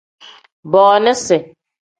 Booniisi.